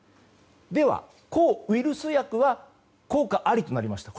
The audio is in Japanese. では、抗ウイルス薬は効果ありといわれました。